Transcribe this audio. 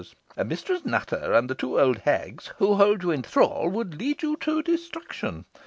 "Mistress Nutter and the two old hags who hold you in thrall would lead you to destruction.